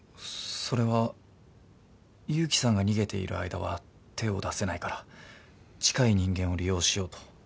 それは勇気さんが逃げている間は手を出せないから近い人間を利用しようと。